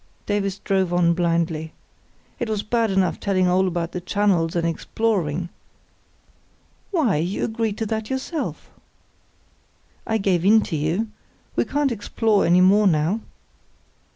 Davies drove on blindly. "It was bad enough telling all about the channels and exploring——" "Why, you agreed to that yourself!" "I gave in to you. We can't explore any more now."